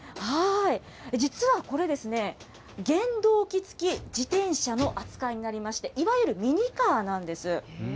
実はこれ、原動機付き自転車の扱いになりまして、いわゆるミニカーなんです。